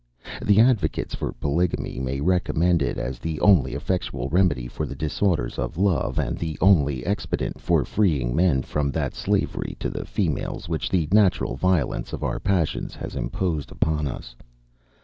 The advocates for polygamy may recommend it as the only effectual remedy for the disorders of love, and the only expedient for freeing men from that slavery to the females which the natural violence of our passions has imposed upon us.